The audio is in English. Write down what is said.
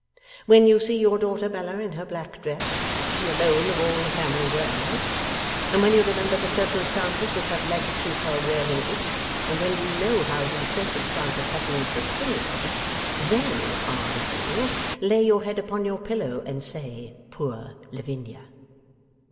When you see your daughter Bella in her black dress, which she alone of all the family wears, and when you remember the circumstances which have led to her wearing it, and when you know how those circumstances have been sustained, then, R. W., lay your head upon your pillow and say, "Poor Lavinia!"